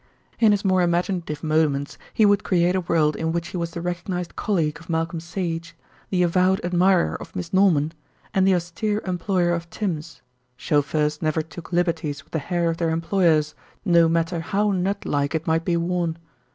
In his more imaginative moments he would create a world in which he was the recognised colleague of Malcolm Sage, the avowed admirer of Miss Norman, and the austere employer of Tims chauffeurs never took liberties with the hair of their employers, no matter how knut like it might be worn.